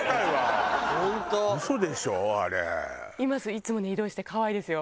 いつもね移動して可愛いですよ。